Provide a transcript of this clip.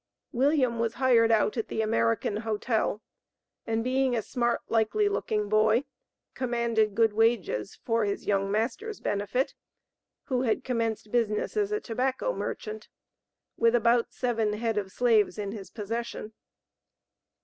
William was hired out at the American Hotel, and being a "smart, likely looking boy," commanded good wages for his young master's benefit, who had commenced business as a tobacco merchant, with about seven head of slaves in his possession.